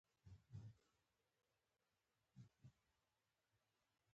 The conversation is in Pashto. نه یوازې د یوه نګه څېړنیز میتود په توګه.